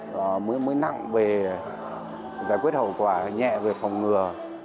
và mới nặng về giải quyết hậu quả nhẹ về phòng ngừa